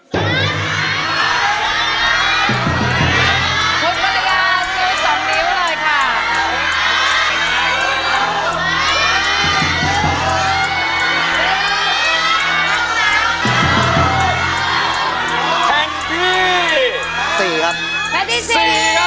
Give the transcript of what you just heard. คุณมริยาคุณมี๒นิ้วเลยค่ะ